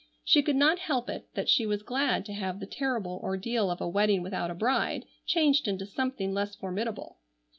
She could not help it that she was glad to have the terrible ordeal of a wedding without a bride changed into something less formidable.